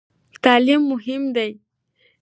تعلیم مهم دی؟